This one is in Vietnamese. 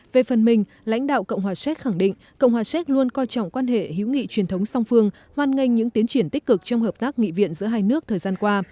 về phần mình lãnh đạo cộng hòa séc khẳng định cộng hòa séc luôn coi trọng quan hệ hữu nghị truyền thống song phương hoan nghênh những tiến triển tích cực trong hợp tác nghị viện giữa hai nước thời gian qua